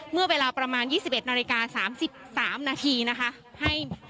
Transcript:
เมื่อเวลาประมาณยี่สิบเอ็ดนาฬิกาสามสิบสามนาทีนะคะให้